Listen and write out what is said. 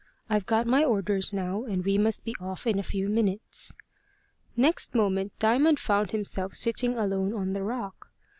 I've got my orders now, and we must be off in a few minutes." Next moment Diamond found himself sitting alone on the rock.